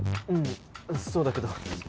うんそうだけど。